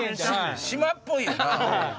島っぽいよな。